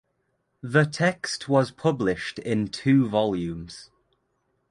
The text was published in two volumes.